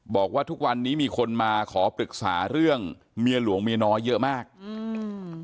บอกว่าทุกวันนี้มีคนมาขอปรึกษาเรื่องเมียหลวงเมียน้อยเยอะมากอืม